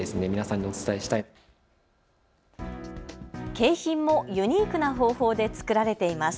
景品もユニークな方法で作られています。